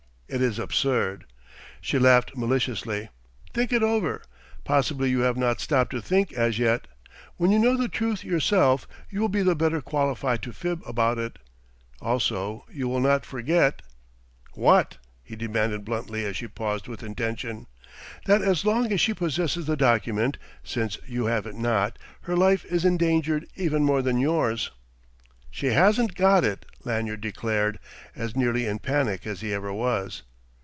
"It is absurd." She laughed maliciously. "Think it over. Possibly you have not stopped to think as yet. When you know the truth yourself, you will be the better qualified to fib about it. Also, you will not forget...." "What?" he demanded bluntly as she paused with intention. "That as long as she possesses the document since you have it not her life is endangered even more than yours." "She hasn't got it!" Lanyard declared, as nearly in panic as he ever was.